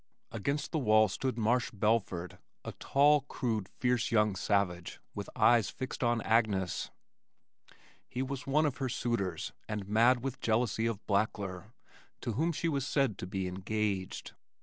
Against the wall stood Marsh Belford, a tall, crude, fierce young savage with eyes fixed on Agnes. He was one of her suitors and mad with jealousy of Blackler to whom she was said to be engaged.